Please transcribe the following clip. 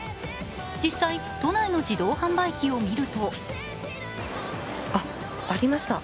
実際、都内の自動販売機を見るとあ、ありました。